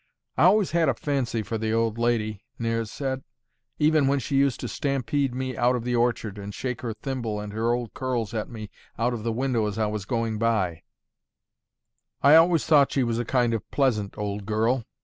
"I always had a fancy for the old lady," Nares said, "even when she used to stampede me out of the orchard, and shake her thimble and her old curls at me out of the window as I was going by; I always thought she was a kind of pleasant old girl.